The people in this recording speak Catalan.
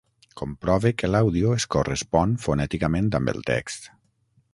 Comprove que l'àudio es correspon fonèticament amb el text.